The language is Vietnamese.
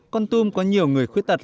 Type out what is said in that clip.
con tum có nhiều người khuyết tật